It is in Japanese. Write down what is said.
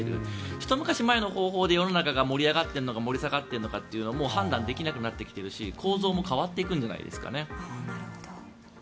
ひと昔前の方法で世の中が盛り上がっているのか盛り下がっているのかはもう判断できなくなってきてるし構造も変わってきてるんじゃないですかね。